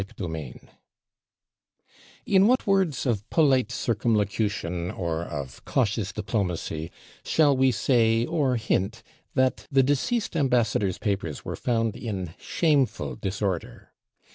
CHAPTER XVI In what words of polite circumlocution, or of cautious diplomacy, shall we say, or hint, that the deceased ambassador's papers were found in shameful disorder.